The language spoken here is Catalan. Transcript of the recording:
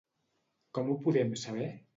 Com ho podem saber?